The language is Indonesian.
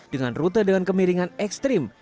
dengan rute dengan kemiringan ekstrim